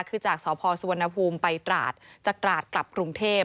คือจากสพสุวรรณภูมิไปตราดจากตราดกลับกรุงเทพ